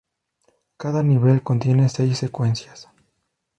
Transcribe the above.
Cada nivel contiene seis secuencias.